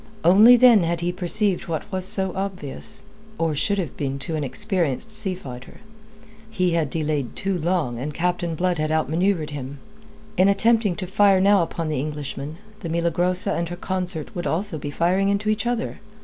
Only then had he perceived what was so obvious or should have been to an experienced sea fighter: he had delayed too long and Captain Blood had outmanoeuvred him. In attempting to fire now upon the Englishman, the Milagrosa and her consort would also be firing into each other.